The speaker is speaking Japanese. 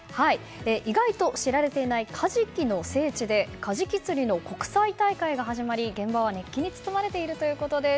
意外と知られていないカジキの聖地でカジキ釣りの国際大会が始まり現場は熱気に包まれているということです。